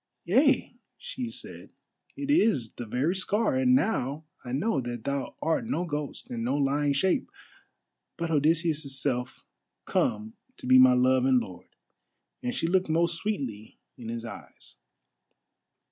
"Yea," she said, "it is the very scar, and now I know that thou art no ghost and no lying shape, but Odysseus' self, come to be my love and lord," and she looked most sweetly in his eyes.